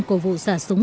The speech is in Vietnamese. của vụ xả súng